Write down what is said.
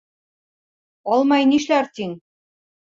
— Алмай нишләр тиң.